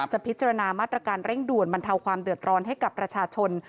พิจารณามาตรการเร่งด่วนบรรเทาความเดือดร้อนให้กับประชาชน